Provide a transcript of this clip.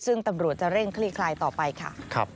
ซึ่งตำรวจจะเร่งคลี่คลายต่อไปค่ะ